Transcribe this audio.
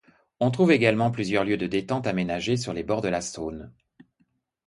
On trouve également plusieurs lieux de détente aménagés sur les bords de la Saône.